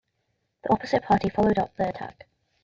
The opposite party followed up the attack.